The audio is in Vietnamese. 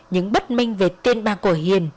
những bất minh về tên ba của hiền